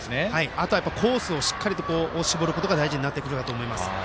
あとはしっかりコースを絞ることが大事になってくると思います。